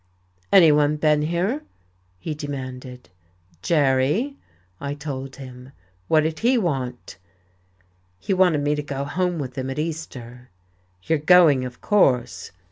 "Anyone been here?" he demanded. "Jerry," I told him. "What did he want?" "He wanted me to go home with him at Easter." "You're going, of course."